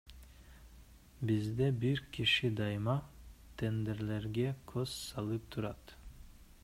Бизде бир киши дайыма тендерлерге көз салып турат.